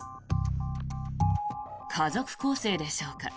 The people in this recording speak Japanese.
家族構成でしょうか。